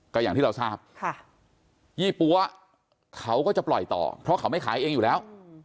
ก็อย่างที่เราทราบยี่ปั๊วเขาก็จะปล่อยต่อเพราะเขาไม่ขายเองอยู่แล้ว